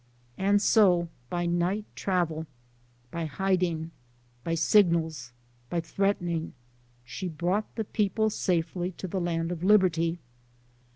And so by night travel, by hiding, by signals, by threatening, she brought the people safely to the land of liberty.